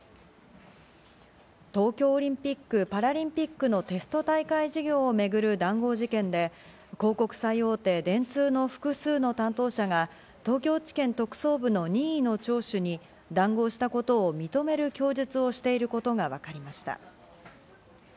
東京オリンピック・パラリンピックのテスト大会事業を巡る談合事件で、広告最大手・電通の複数の担当者が東京地検特捜部の任意の聴取に談合したことを認める供述をしていることがわかりました。